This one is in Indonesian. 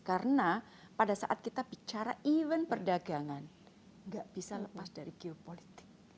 karena pada saat kita bicara even perdagangan nggak bisa lepas dari geopolitik